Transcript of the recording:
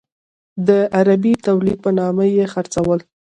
د عربي تولید په نامه یې خرڅول.